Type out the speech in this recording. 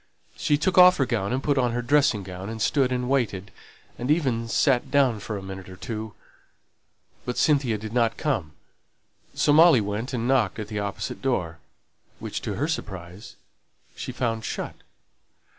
She took off her gown and put on her dressing gown, and stood and waited, and even sat down for a minute or two: but Cynthia did not come, so Molly went and knocked at the opposite door, which, to her surprise, she found shut.